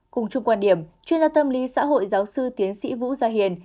cùng chung quan điểm chuyên gia tâm lý xã hội giáo sư tiến sĩ vũ gia hiền